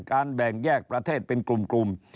แบ่งแยกประเทศเป็นกลุ่ม